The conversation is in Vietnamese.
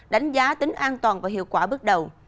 đánh giá tính an toàn và hiệu quả bước đầu